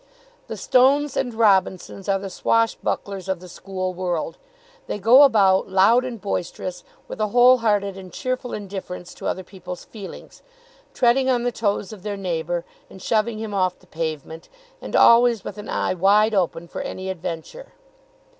The Stones and Robinsons are the swashbucklers of the school world. They go about, loud and boisterous, with a whole hearted and cheerful indifference to other people's feelings, treading on the toes of their neighbour and shoving him off the pavement, and always with an eye wide open for any adventure.